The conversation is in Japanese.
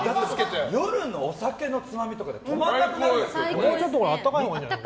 夜のお酒のつまみとかで止まらなくなりますよ。